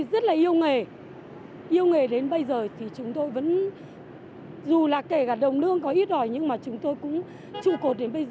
vì chúng tôi yêu người